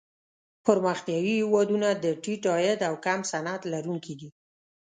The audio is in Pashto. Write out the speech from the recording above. پرمختیايي هېوادونه د ټیټ عاید او کم صنعت لرونکي دي.